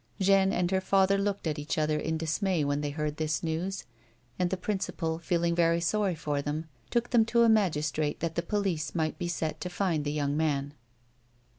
Jeanne and her father looked at each other in dismay when they heard this news, and the principal feeling very sorry for them took them to a magistrate that the police might be set to find the young man.